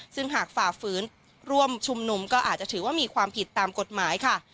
ซึ่งหากฝ่าฝืนร่วมชุมนุมก็อาจจะถือว่ามีความผิดตามกฎหมายค่ะ